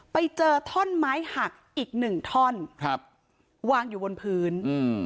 ไปเจอท่อนไม้หักอีกหนึ่งท่อนครับวางอยู่บนพื้นอืม